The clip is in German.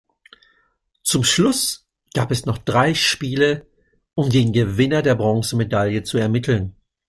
Zum Schluss gab es noch drei Spiele, um den Gewinner der Bronzemedaille zu ermitteln.